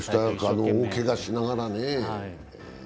大けがしながらね。